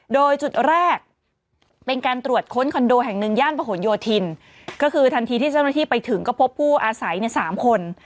โดยจุดแรกเป็นการตรวจค้นคอนโดแห่งหนึ่งย่านประหลโยธินก็คือทันทีที่เจ้าหน้าที่ไปถึงก็พบผู้อาศัยในสามคน